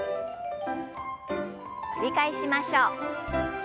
繰り返しましょう。